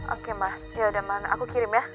oke mbak yaudah mama aku kirim ya